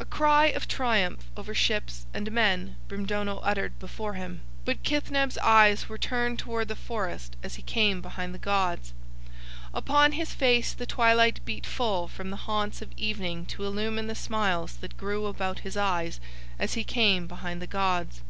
A cry of triumph over ships and men Brimdono uttered before him, but Kithneb's eyes were turned toward the forest as he came behind the gods. Upon his face the twilight beat full from the haunts of evening to illumine the smiles that grew about his eyes as he came behind the gods.